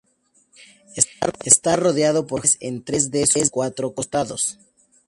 Está rodeado por jardines en tres de sus cuatro costados.